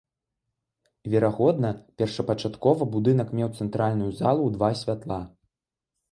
Верагодна, першапачаткова будынак меў цэнтральную залу ў два святла.